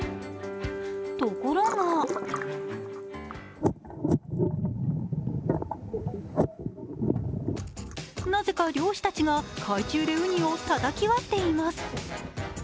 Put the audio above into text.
ところがなぜか漁師たちが海中でうにをたたき割っています。